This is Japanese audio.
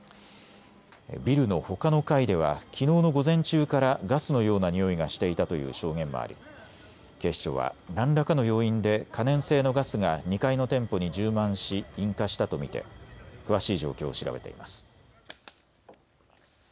ビルのほかの階ではきのうの午前中からガスのようなにおいがしていたという証言もあり警視庁は何らかの要因で可燃性のガスが２階の店舗に充満し引火したと見て詳しい状況を調べています。